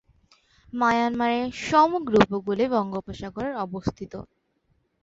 মায়ানমারের সমগ্র উপকূলে বঙ্গোপসাগরে অবস্থিত।